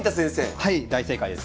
はい大正解です。